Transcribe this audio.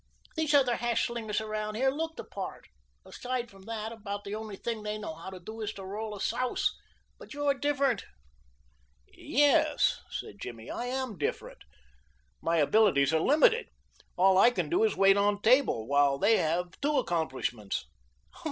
These other hash slingers around here look the part. Aside from that, about the only thing they know how to do is roll a souse; but you're different." "Yes," said Jimmy, "I am different. My abilities are limited. All I can do is wait on table, while they have two accomplishments."